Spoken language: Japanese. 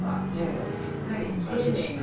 しっかり丁寧にですね。